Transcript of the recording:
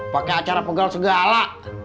pakai acara pegel segala